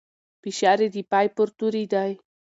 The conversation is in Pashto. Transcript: فشار يې د پای پر توري دی.